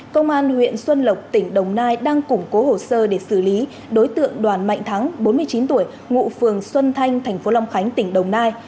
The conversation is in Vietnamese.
công an huyện xuân lộc tỉnh đồng nai đang củng cố hồ sơ để xử lý đối tượng đoàn mạnh thắng bốn mươi chín tuổi ngụ phường xuân thanh thành phố long khánh tỉnh đồng nai